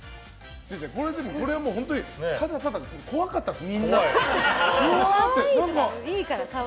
本当にただただ怖かったです、みんなが。